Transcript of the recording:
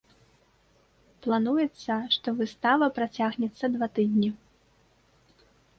Плануецца, што выстава працягнецца два тыдні.